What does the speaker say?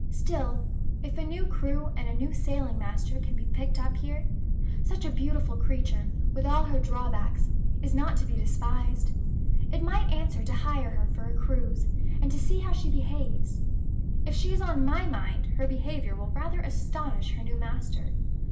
Still, if a new crew and a new sailing master can be picked up here, such a beautiful creature (with all her drawbacks), is not to be despised. It might answer to hire her for a cruise, and to see how she behaves. (If she is of my mind, her behavior will rather astonish her new master!)